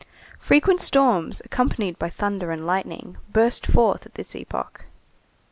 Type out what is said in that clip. Frequent storms, accompanied by thunder and lightning, burst forth at this epoch.